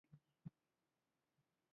د ارزاقو ریاست ګدامونه لري؟